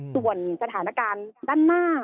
ส่วนสถานการณ์ด้านหน้า